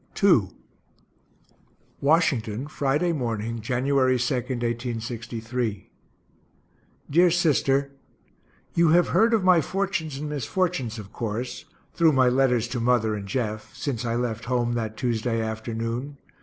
II Washington, Friday morning, Jan. 2, 1863. DEAR SISTER You have heard of my fortunes and misfortunes of course, (through my letters to mother and Jeff,) since I left home that Tuesday afternoon.